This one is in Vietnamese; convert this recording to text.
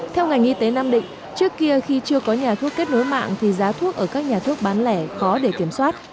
theo ngành y tế nam định trước kia khi chưa có nhà thuốc kết nối mạng thì giá thuốc ở các nhà thuốc bán lẻ khó để kiểm soát